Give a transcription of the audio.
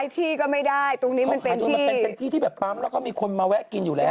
ที่แบบปั๊มแล้วก็มีคนมาแวะกินอยู่แล้ว